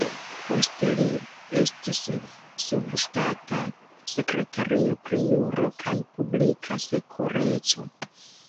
Poste, li estis subŝtata sekretario pri Juro kaj Publika Sekureco.